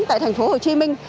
tại thành phố hồ chí minh